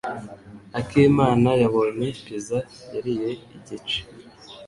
Akimana yabonye pizza yariye igice.